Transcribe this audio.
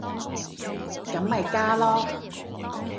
咁咪加囉